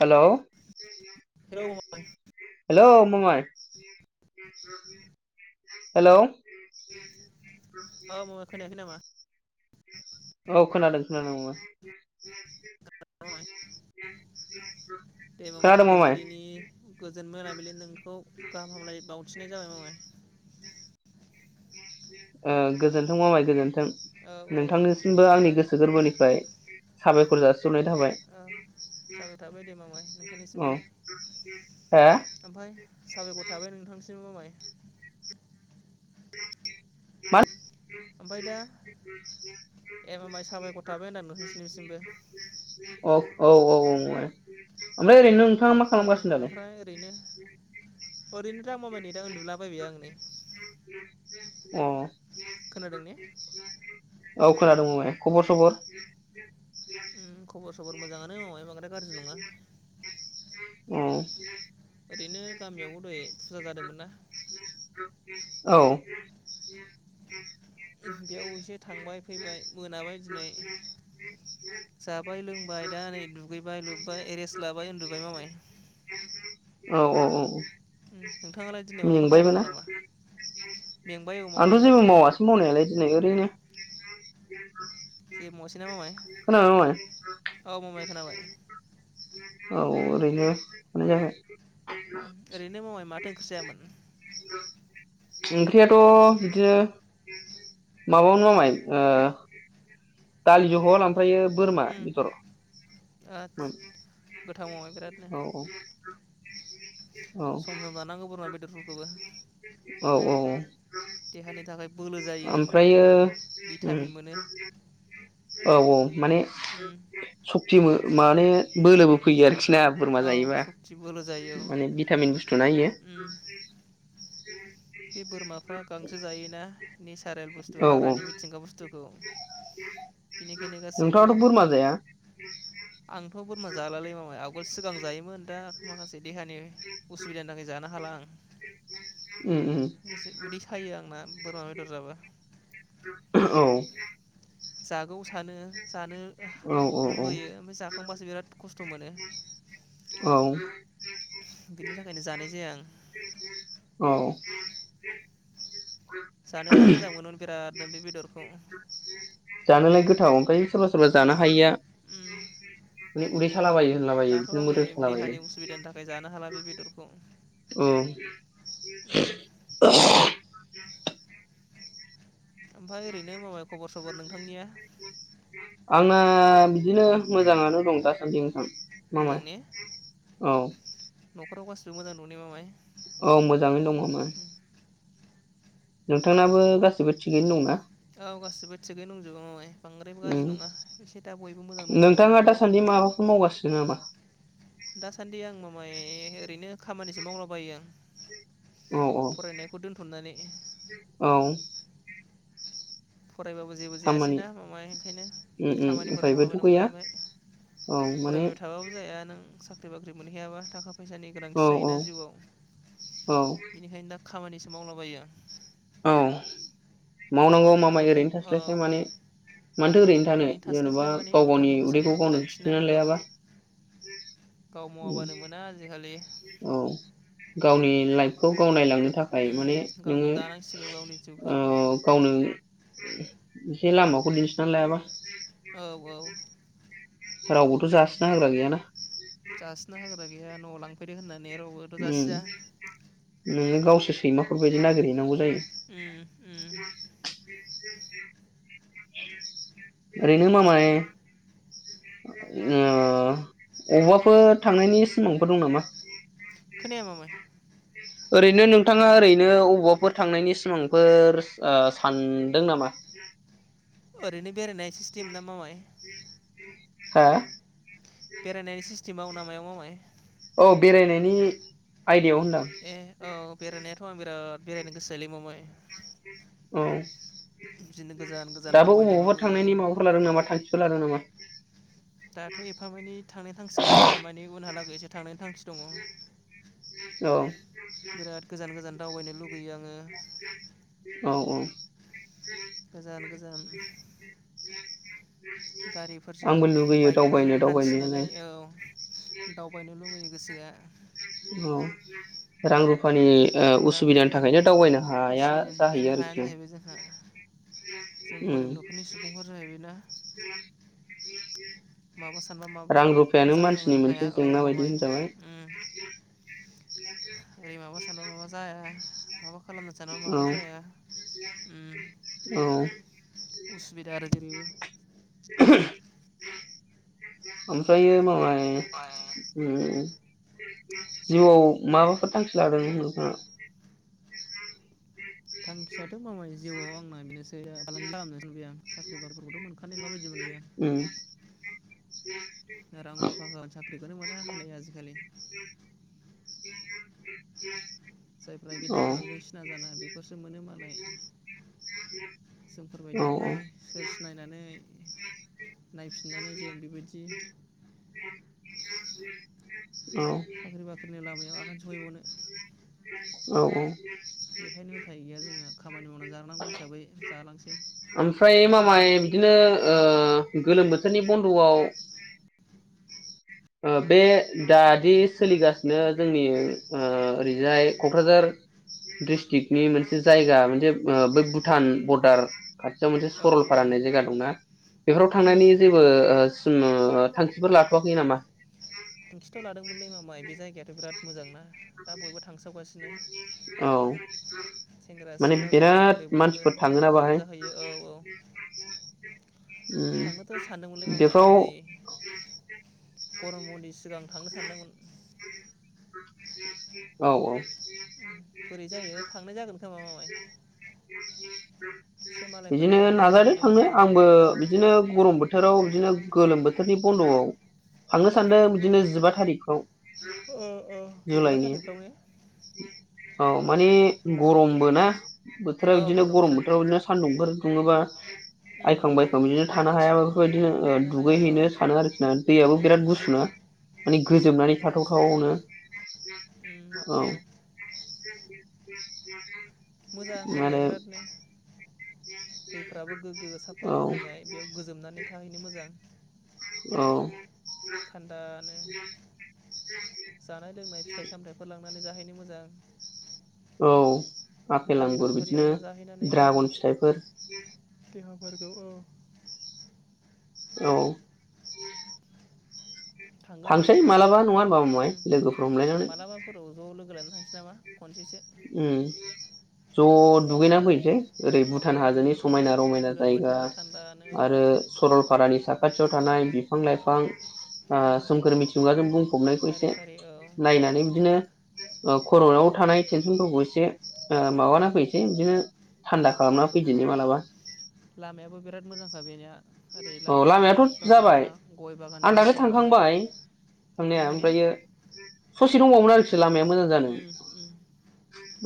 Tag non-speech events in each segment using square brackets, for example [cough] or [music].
हेल' hello. Hello फंबाय [unintelligible] hello अ मामा खोनाखै नामा? औ खोनादों खोनादों मामाय। [inaudible] [inaudible] फंबाय दे मामा खोनादों मामाय बिलिनि गोजोन मोनाबिलि नोंखौ गाहाम हामलाय बावथिनाय जाबाय मामाय। ओ गोजोनथों मामाय गोजोन थों औ औ नोंथांनिसिमबो आंनि ओमफ्राय गोसो गोरबोनिफ्राय साबायखर जा औ साबायखर थाबाय दे मामाय नोंथांनिसिमबो औ हो ओमफ्राय साबायखर थाबाय नोंथां [unintelligible] मामाय [unintelligible] आमफ्राय दा ए मामाय साबायखर थाबाय [unintelligible] सिमबो अ औ औ मामाय ओमफ्राय [unintelligible] खालामगासिनो दालाय ओमफ्राय ओरैनो ओरैनो [unintelligible] उन्दुला बायबाय आं नै अ खोनादों ने? औ खोनादों बुंलाय खबर सबर? उम खबर सबर मोजाङानो मामाय बांद्राय गाज्रि नङा उम ओरैनो गामियावबो दहाय फुजा जादोंमोन ना औ बेयाव एसे थांबाय फैबाय मोनाबाय दिनै जाबाय लोंबाय दा नै दुगैबाय लोबबाय ए रेस्ट लाबाय उन्दुबाय मामाय। औ औ औ औ नोंथाङालाय दिनै माबाफोर मेंबायबो ना मावदोंमोन नामा मेंबाय औ मामाय आंथ' जेबो बिरादनो मावासो मावनायालाय दिनै ओरैनो जेबो मावासै ना मामाय खोनाबाय मामाय औ मामाइ खोनाबाय। औ ओरैनो [unintelligible] ओरैनो मामाय माथो ओंख्रि जायामोन? ओंख्रियाथ' बिदिनो माबामोन मामाय ओ दालि जहल [unintelligible] ओमफ्रायो बोरमा बेदर। औ गोथाव मामाय बिरादनो। औ औ सम -सम जानांगौ बोरमा बेदरफोरखौबो। औ -औ। देहानि थाखाय बोलो जायो ओमफ्रायो उम भिटामिन मोनो। औ- औ। माने [unintelligible] [unintelligible] माने बोलोबो फैयो आरोखि। ना बोरमा औ जायोबा सक्ति बोलो जायो औ माने भिटामिन बुस्थु ना बेयो। [unintelligible] बे बोरमाफ्रा गांसो जायोना? नेचारेल बुस्थु औ औ हाग्रानि मिथिंगा बुस्थु बिनिखायनो गासैबो नोंथाङाथ' बोरमा जाया आं [unintelligible] जालालै मामाइ [unintelligible] सिगां जायोमोन दा माखासे देहानि उसुबिदानि थाखाय जानो हाला आं। [unintelligible] जसे उदै सायो आंना। बोरमा बेदर जाबा। औ। जागौ थानो जानो औ औ लुबैयो ओमफ्राय जाखांबासो बिराद खस्थ' मोनो। औ बिनि थाखायनो जानाय जाया आं। औ [unintelligible] जानोलाय मोजां मोनोमोन बिराद नों बे बेदरखौ औ। जानोलाय गोथाव ओमफ्राय सोरबा सोरबा जानो हायिया ओम माने उदै सालाबायो होनलाबायो दाथ' बिदिनो आं नै मोदोम सालाबायो देहानि उसुबिदानि थाखाय जानो हाला बे बेदरखौ। औ। उम ओमफफ्राय ओरैनो माबा खबर सबर नोंथांनिया? आंना बिदिनो मोजाङानो दं दासान्दि नोंथां। मोजां माबाय ने औ। न'खराव गासिबो मोजां दंने मामाय? औ मोजाङै दङ मामाय। नोंथांनाबो गासिबो थिगैनो दं ना? औ गासिबो थिगै दंजोबो मामाय। बांद्रायबो उम गाज्रि नङा एसे दा बयबो मोजां दंजोबो नोंथाङा न'खराव। दासान्दि माबाफोर मावगासिनो नामा? दासान्दि आं ओरैनो खामानिसो मावलाबायो आं। औ औ फरायनायखौ दोनथ'नानै। औ फरायबाबो जेबो खामानि जायासैना मामाय ओंखायनो। उम उम खामानिफोर उफायबोथ' मावलाबायनांगौ गैया जाहैबाय औ माने फरायबायबाय थाबाबो जाया। नों साख्रि बाख्रि मोनहायाबा थाखा फैसानि गोनांथि औ औ जायोना जिउआव। औ बेनिखायनो दा खामानिसो मावलाबायो आं। औ मावनांगौ फरायनांगौ मामाय टाइम ओरैनो औ थास्लायस्लाय माने मानोथो ओरैनो थानो। जेन'बा थास्लायस्लाय माने गाव औ गावनि थाखा उदैखौ फैसानिबो गावनो गोनांथिना सुफुंनानै औ लायाबा। गाव मावाबानो मोना आजिखालि औ गावनि लाइफखौ गाव नायलांनो थाखाय उम माने गावनो नोङो दानांसिगौ गावनि ओ जिउखौ गावनो एसे लामाखौ दिन्थिना लायाबा। औ औ रावबोथ' जासिना होग्रा गैयाना। ग्रा गैया न' लांफैदो होना। उम नोङो गावसो सैमाफोरबायदि नागिरहैनांगौ जायो। उम उम ओरैनो मामाय ओ अबावबाफोर थांनायनि सिमांफोर दं नामा? खोनाया मामाय? ओरैनो नोंथाङा ओरैनो अबबावबाफोर थांनायनि सिमांफोर ओ सानदों नामा? ओरैनो बेरायनाय सिस्टेम ना मामाय? हा? बेरायनायनि सिस्टेमाव ना मायाव मामाय? औ बेरायनायनि आयदायाव होनदां ए औ बेराय नायाथ'आं‌ बिराद बेरायनो गोसोलै मामाय। औ बिदिनो गोजान गोजान दाबो दावबायनो अबावबा लुबैयो थांनायनि माबाफोर लादों नामा थांखिफोर लादों नामा? दाथ' एफा मानि थांनाय थांखि गैथ'वा माने उनहालागै लोगोसे थांनायनि थांखि दङ। औ बिराद गोजान गोजान दावबायनो लुगैयो आङो। औ औ गोजान गोजान आंबो गारिफोरजों लुगैयो बाइकफोरजों दावबायनो हान्थिनानै दावबायनायालाय औ दावबायनो लुबैयो। गोसोआ औ रां रुफानि ओ रां उसुबिदानि रुफानि थाखायनो दावबायनो हाया उसुबिदानि जाहैयो थाखायनो हाया आरोखि जाहैबाय जोंहा जों उम गरिब न'खरनि सुबुंफोर जाहैबाय ना। माबा सानबा रां माबाखौ रुफायानो मानसिनि जाफुंहोनो हाया मोनसे औ जेंना बायदि मामाय होनजाबाय उम ओरै माबा सानबा माबा जाया माबा खालामनो सानोबा माबा औ जाया उम औ उसुबिदा आरो जेरैबो। ओमफ्रायो मामाय उम जिउआव माबाफोर थांखि लादों नोंथाङा? थांखिया थ' मामाय जिउआव आंना बेनोसै फालांगि खालामनोसो आं साख्रि बाख्रिफोरखौथ' मोनखानाय नंलाबाय उम रां रुफा [unintelligible] बेखौनो मोना हनै आजिखालि। जायफ्रा औ गेदेर गोलावजों सिना जाना बे फोरसो मोनो मालाय औ जोंफोरबायदिखौलाय सोर सिनायनानै नायफिननानै जों बेबायदि औ साख्रि बाख्रिनि लामायाव आगान सफैबावनो। औ बेखायनो उफाय गैया जोंङो खामानि मावनानै जानांगौ हिसाबै जालांसै। ओमफ्राय मामाय नाजा बिदिनो औ ओ गोलोम बोथोरनि बन्दआव बे दादि सोलिगासिनो जोंनि ओ ओरैजाय कक्राझार डिस्ट्रिकनि मोनसे जायगा मोनसे बै भुटान बरडार खाथियाव मोनसे औ सरलपारा मामाय औ होननाय जायगा दंना बेफोराव उम उम थांनानै उम जेबो ओ जोंङो थांखिफोर लाथ'वाखै नामा? थांखिथ' लादोंमोनलै मामाय बे जायगायाथ' बिराद मोजां ना औ सेंग्रा माने सिख्ला बोराय बिराद बुरै बयबो मानसिफोर थाङोना बाहाय? रंजाहैयो औ औ उम थांनोथ' सानदोंमोनलै बेखौ मामाय नै गरम बन्द'नि सिगां थांनो सानदोंमोन। औ औ बोरै जायो थांनाय जागोन खोमा। मामाय एसे मालायफोरनि बिदिनो रंजानाय नाजादो बाजानायखौ थांनो नुनानै आंबो औ बिदिनो गरम बोथोराव बिदिनो। गोलोम बोथोरनि बन्दआव थांनो सानदों बिदिनो जिबा थारिखखौ। अ अ जिबा थारिखफ्रावनो। औ माने गरम। बोना। बोथोरा औ बिदिनो गरम बिरादनो बोथोराव बिदिनो सान्दुंफोर। दुंङोबा। उम आइखां बायखां बिदिनो थानो हायाबा बेफोरबायदिनो थानो हाया औ दुगैहैनो सानो आरोखि ना दैयाबो उम बिराद उम गुसुना माने गोजोबनानै गुसु थाथावथावनो। उम औ। माबायाव मोजां माने जायगाया बिरादनो। दैफ्राबो गोग्गो साफा औ बोहैनाय बेयाव गोजोमनानै थाहैनो मोजां। औ। थान्दा। [inaudible] [inaudible] [inaudible] हमनानै जाहैनो मोजां। औ। ना आफेल आंगुर बेदरफोर बिदिनो एवना जाहैनानै औ दड्रागन फिथाइफोर। औ औ। औ। थांगोन थांसै मामाय मालाबा नङा होनबा मामाय थांगोन लोगोफोर हमलायनानै मालाबाफोराव ज' लोगो लानो थांसै नामा। खनसे। उम ज' दुगैना फैनोसै। ओरै औ भुटान हाजोनि दुगैना फैसै समायना रमायना गोलोम जायगा बोथोरनि थान्दानो औ आरो सरलपारानि साखा। खाथियाव थानाय बिफां लाइफां। उम सोमखोर मिथिलंगाजों बुंफबनायखौ सारि एसे सारि औ नायनानै बिदिनो भुटान कर'नायाव। थानाय। तेनसनफोरखौ एसे माबाना फैसै बिदिनो थान्दा खालामना फैदोनि मालाबा। लामायाबो बिराद मोजांखा बेनिया ओरै अ लामा सामा लामायाथ' बिफां जाबाय लाइफां गय आं बागानजों दाख्लै मुख'जोबनाय थांखांबाय थांनाया थांखांबाय ने ओमफ्रायो ससे दंबावोमोन आरोखि। लामाया मोजां जानो उम उम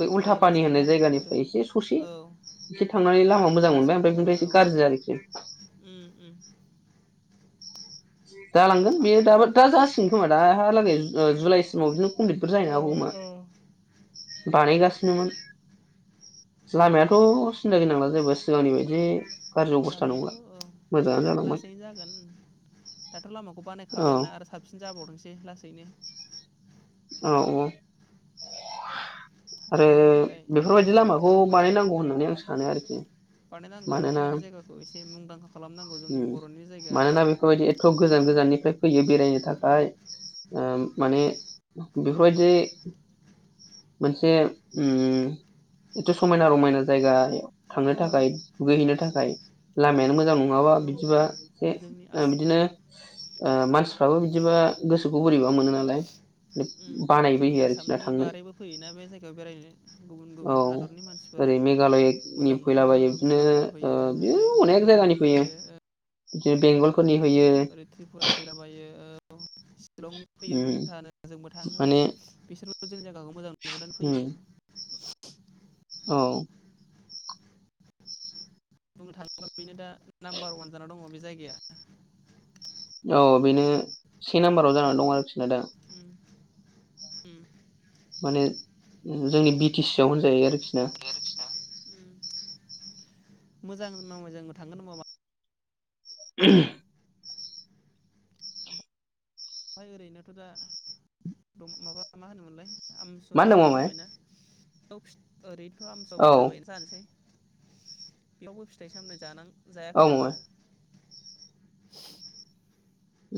बै दे उल्था पानि लासैनो होननाय जागोन बेफोरो जायगानिफ्राय एसे ससे औ एसे थांनानै लामा मोजां मोनबाय लासैनो ओमफ्राय बेनिफ्राय जाजोबगोन एसे औ गाज्रि आरोखि। उम उम जालांगोन बेयो दाब दा जासिगोन खोमा दाहालागै ओ जुलाइसिमाव बिदिनो कमपितफोर औ जाहैनो हागौ खोमा। औ बानायगासिनोमोन। लामायाथ' सिन्था गैनांला जेबो सिगांनि बायदि गाज्रि अबस्था नंला लामायाथ' औ मोजाङानो जालांबाय लासैनो जागोन दाथ' लामाखौ औ बानायखाबाया आरो साबसिन जाबावनोसै लासै बेनो। औ औ। आरो थांलाय फैलायनि बेफोरबायदि थाखाय लामाखौ बयहाबो मोजां बानायनांगौ होननानै आं सानो आरोखि। बानायनांगौ मानोना बेबायदि जायगाखौ एसे मुंदांखा खालामनांगौ जोंनि बर'नि जायगा मानोना बेफोरबायदि एथ' गोजान गोजाननिफ्राय फैयो बेरायनो उम थाखाय ओ माने गुबुन बेफोरबायदि मोनसे उम एथ' समायना रमायना जायगा थांनो अ थाखाय दुगैहैनो थाखाय लामायानो मोजां नङाबा ओं बिदिबा ए जोंनि ओं आसाम बिदिनो उम ओ मानसिफ्राबो बिदिबा गोसोखौ बोरैबा मोनो नालाय उम बानायबो जोंनि आरोखि आसामनि थांनो। बारैबो फैयोना बे जायगायाव बेरायनो गुबुन औ गुबुन हादरनि मानसिफोर ओरै मेघालयनि मोजां मोनहरो फैलाबायो ओ बिदिनो मेघालयनि फैयो बि ओरै ओ अनेक भुटाननि जायगानि फैयो। ओ बिदि बेंगलफोरनि फैयो ओरै त्रिपुरानि फैलाबायो। [inaudible] शिलंनि फैयो उम उलथानो जोंबो थाङो। माने बिसोर [inaudible] औ मोजां नुहरनानै उम फैयो। [inaudible] औ। बुंनो थाङोब्ला बेनो दा नाम्बार अवान जानानै दङ बे जायगाया। औ बेनो से नाम्बाराव जानानै दं आरोखिना दा। उम उम। माने जोंनि बि टि सि आव होनजायो आरोखिना। मोजां [unintelligible] मोजां थांगोन होनबा [inaudible] ओमफाय ओरैनोथ' दा माबा मा होनोमोनलाय मा होनदों आमससेयानो मामाय जाबायना औ। ओरै फ्रामसबो औ जाबाय जानोसै। बेयावबो फिथाइ सामथाय जानां औ जायाखै मामाय नामा [inaudible]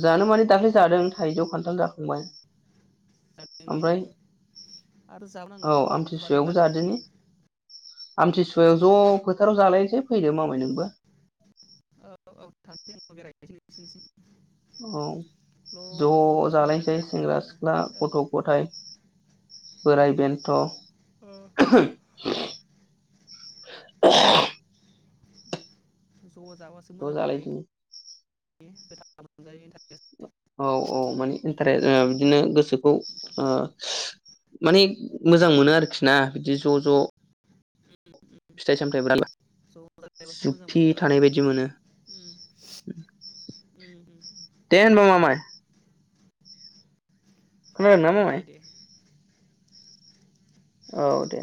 जानो मानि दाख्लै जादों थाइजौ खान्थाल जाखांबाय जादोंने ओमफ्राय आरो जाबोनांगोन औ आमथिसुवायावबो समबारहालागै जादोनि आमथिसुवायाव ज' फोथाराव जालायसै फैदो मामाय नोंबो औ [unintelligible] औ ल' ज' लोगोफोर लालायना जालायनोसै जानोसै सेंग्रा आरामनो सिख्ला गथ' गथाय बोराय बेन्थ' [unintelligible] [unintelligible] ज' जाबासो ज' मोजां मोनजायो जालायदिनि [unintelligible] मोनजायनि थाखाय औ औ माने इन्टारेस् बिदिनो गोसोखौ ओ माने मोजां मोनो आरोखि ना बिदि ज' ज' फिथाइ सामथाय [unintelligible] जालायबासो मोजां जुक्ति मोनो औ थानाय बायदि मोनो उम उम उम दे होनबा ममाय औ मामाय दे दे औ दे